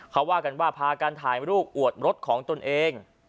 เขาว่ากันว่าพากันถ่ายรูปอวดรถของตนเอง